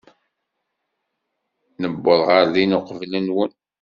Nuweḍ ɣer din uqbel-nwen.